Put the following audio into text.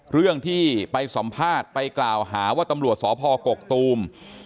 เรื่องที่ไปสัมภาษณ์ไปกล่าวหาว่าตำรวจสพกกตูม